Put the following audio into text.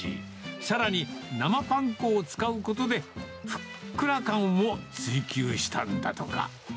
さらに生パン粉を使うことで、ふっくら感を追求したんだとか。